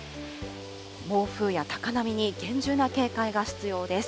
暴風や高波に厳重な警戒が必要です。